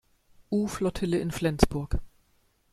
U-Flottille in Flensburg.